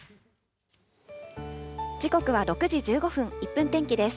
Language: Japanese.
時刻は６時１５分、１分天気です。